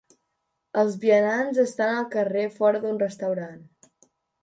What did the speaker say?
Els vianants estan al carrer fora d'un restaurant